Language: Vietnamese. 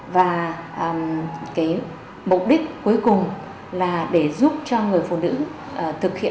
và cái mục đích cuối cùng là để giúp cho người phụ nữ thực hiện